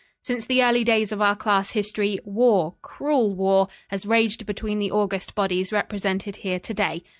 "Since the early days of our class history, war, cruel war, has raged between the august bodies represented here to day.